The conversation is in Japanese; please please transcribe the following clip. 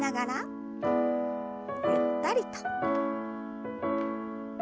ゆったりと。